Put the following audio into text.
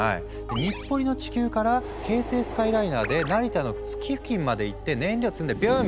日暮里の地球から京成スカイライナーで成田の月付近まで行って燃料積んでビューン！